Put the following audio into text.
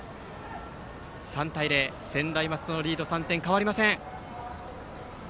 ３対０と専大松戸のリード３点は変わりません。